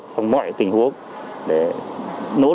trong mọi tình huống để nỗ lực hơn nữa và cố gắng hơn nữa